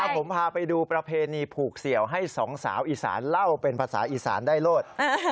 ผมพาไปดูประเพณีผูกเสี่ยวให้สองสาวอีสานเล่าเป็นภาษาอีสานได้โลด